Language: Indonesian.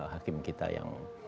hakim kita yang